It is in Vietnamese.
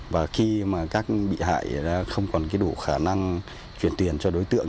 và khi mà các bị hại không còn đủ khả năng chuyển tiền cho đối tượng